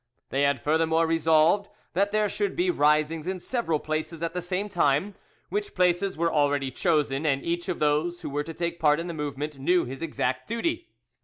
They had furthermore resolved that there should be risings in several places at the same time, which places were already chosen, and each of those who were to take part in the movement knew his exact duty.